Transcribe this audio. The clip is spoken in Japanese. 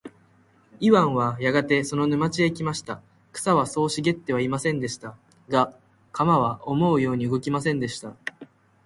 イワンはやがてその沼地へ来ました。草はそう茂ってはいませんでした。が、鎌は思うように動きませんでした。